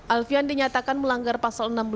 alfian dinyatakan melanggar pasal enam belas